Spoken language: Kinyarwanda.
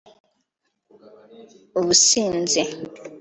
ubusinzi